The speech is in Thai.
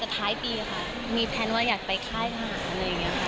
จะจะท้ายปีค่ะยกไปค่ายผ่าน